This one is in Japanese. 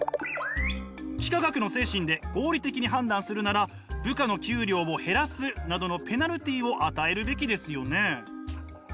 幾何学の精神で合理的に判断するなら部下の給料を減らすなどのペナルティを与えるべきですよね？